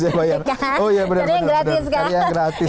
jadi yang gratis